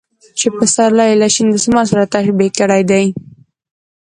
چې پسرلى يې له شين دسمال سره تشبيه کړى دى .